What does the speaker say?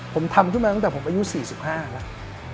ผมทำขึ้นมาตั้งแต่ผมอายุ๔๕แล้ว